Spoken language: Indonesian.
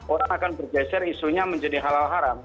orang akan bergeser isunya menjadi halal haram